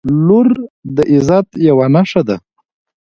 • لور د عزت یوه نښه ده.